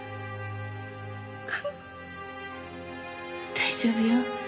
大丈夫よ。